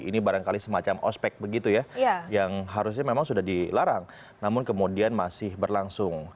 ini barangkali semacam ospek begitu ya yang harusnya memang sudah dilarang namun kemudian masih berlangsung